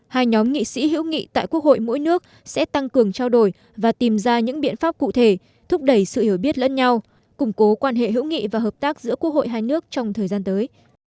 hai nhóm nghị sĩ hữu nghị tại quốc hội mỗi nước sẽ tăng cường trao đổi và tìm ra những biện pháp cụ thể thúc đẩy sự hiểu biết lẫn nhau củng cố quan hệ hữu nghị và hợp tác giữa quốc hội hai nước trong thời gian tới